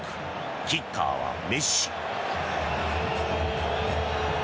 キッカーはメッシ。